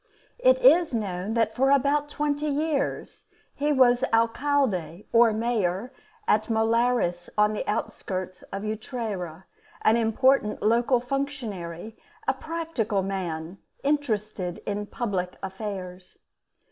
It is known that for about twenty years he was alcalde or mayor at the Molares on the outskirts of Utrera, an important local functionary, a practical man interested in public affairs.